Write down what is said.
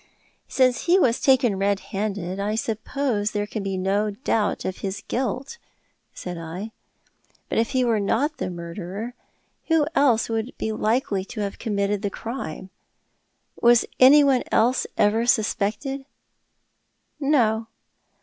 " Since he was taken red handed, I suppose there can be no doubt of his guilt," said I. " But if he were not the murderer, who else would be likely to have committed the crime ? Was any one else ever suspected? "" No.